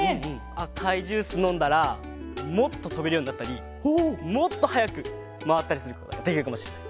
あかいジュースのんだらもっととべるようになったりもっとはやくまわったりすることができるかもしれない。